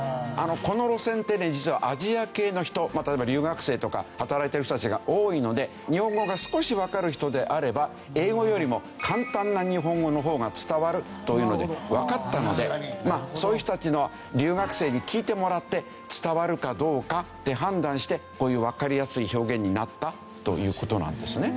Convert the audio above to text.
この路線ってね実はアジア系の人例えば留学生とか働いてる人たちが多いので日本語が少しわかる人であれば英語よりも簡単な日本語の方が伝わるというのでわかったのでそういう人たちの留学生に聞いてもらって伝わるかどうかで判断してこういうわかりやすい表現になったという事なんですね。